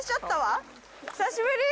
久しぶり。